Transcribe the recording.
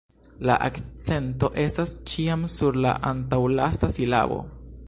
La akcento estas ĉiam sur la antaŭlasta silabo.